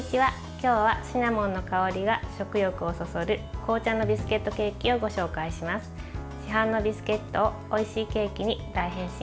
今日はシナモンの香りが食欲をそそる紅茶のビスケットケーキをご紹介します。